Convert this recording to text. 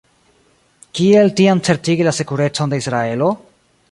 Kiel tiam certigi la sekurecon de Israelo?